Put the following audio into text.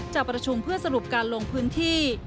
จะประชุมเพื่อสรุปการลงพื้นที่